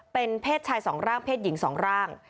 เป็นเพศชาย๒ร่างเพศหญิง๒ร่าง